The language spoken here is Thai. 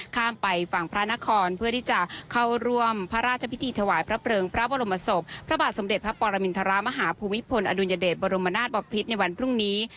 ข้ามไปฝั่งพระนครเพื่อที่จะเข้าร่วมพระราชพิธีถวายพระเพลิงพระบรมศพพระบาทสมเด็จพระปรมินทรมาฮภูมิพลอดุลยเดชบรมนาศบพิษในวันพรุ่งนี้